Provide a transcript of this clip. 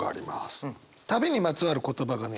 旅にまつわる言葉がね